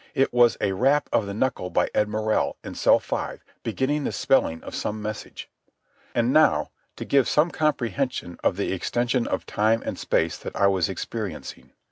It was a rap of the knuckle by Ed Morrell, in Cell Five, beginning the spelling of some message. And now, to give some comprehension of the extension of time and space that I was experiencing.